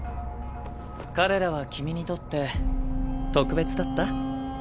彼らは君にとって特別だった？